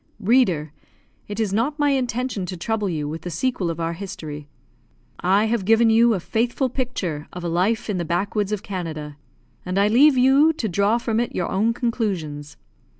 Reader! it is not my intention to trouble you with the sequel of our history. I have given you a faithful picture of a life in the backwoods of Canada, and I leave you to draw from it your own conclusions.